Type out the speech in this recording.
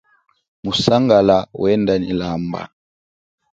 Musangala wenda nyi lamba.